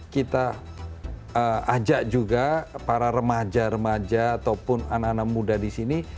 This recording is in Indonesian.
kita ajak juga para remaja remaja ataupun anak anak muda di sini